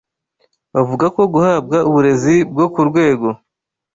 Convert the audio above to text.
Bavuga ko guhabwa uburezi bwo ku rwego